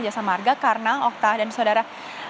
jasa marga karena okta dan saudara